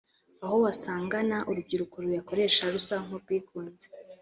aho wasangana urubyiruko ruyakoresha rusa n’urwigunze